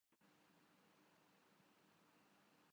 شاید ہی پورے اسلام آباد میں ملے